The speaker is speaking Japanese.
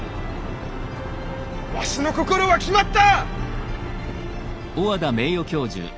わしの心は決まった！